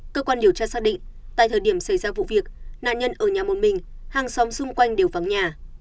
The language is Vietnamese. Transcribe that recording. cơ quan điều tra xác định tại thời điểm xảy ra vụ việc nạn nhân ở nhà một mình hàng xóm xung quanh đều vắng nhà